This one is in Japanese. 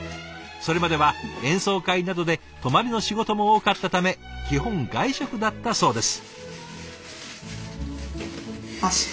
それまでは演奏会などで泊まりの仕事も多かったため基本外食だったそうです。